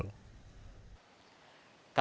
kasus guru yang memperkosa belasan